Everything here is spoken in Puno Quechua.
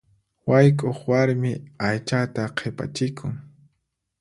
Wayk'uq warmi aychata qhipachikun.